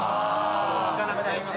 聞かなくなりますね。